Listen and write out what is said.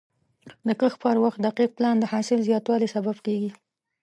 د کښت پر وخت دقیق پلان د حاصل زیاتوالي سبب کېږي.